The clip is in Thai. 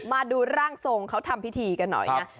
มาดูร่างทรงเขาทำพิธีกันหน่อยนะ